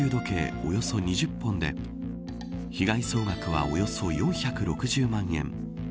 およそ２０本で被害総額はおよそ４６０万円。